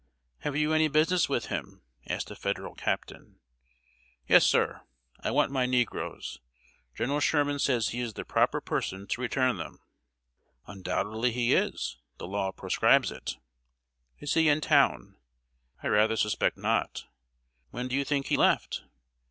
"Have you any business with him?" asked a Federal captain. "Yes, sir. I want my negroes. General Sherman says he is the proper person to return them." "Undoubtedly he is. The law prescribes it." "Is he in town?" "I rather suspect not." "When do you think he left?"